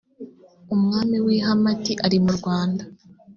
umwami w i hamati ari murwanda